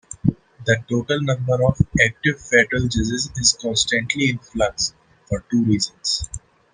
The total number of active federal judges is constantly in flux, for two reasons.